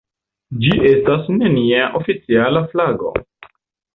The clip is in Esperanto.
Ĝi estas nenia oficiala flago.